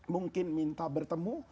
mungkin minta bertemu